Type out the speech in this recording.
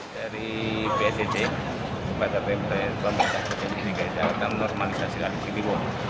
dari bcc bantar pembelian bambang musyawardana ini di jakarta menormalisasi kali ciliwung